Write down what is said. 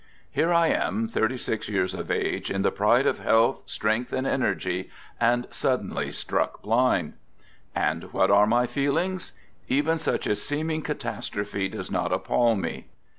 Here I am, thirty six years of age, in the pride of health, strength, and energy, and suddenly struck blind. And what are my feelings? Even such a seem ing catastrophe does not appall me.